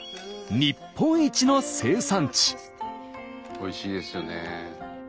おいしいですよね。